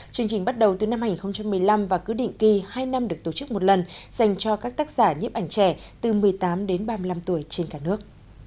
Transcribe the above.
chương trình bắt đầu từ năm hai nghìn một mươi năm và cứ định kỳ hai năm được tổ chức một lần dành cho các tác giả nhếp ảnh trẻ từ một mươi tám đến ba mươi năm tuổi trên cả nước